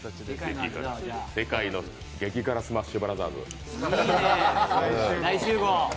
世界の激辛スマッシュブラザーズ。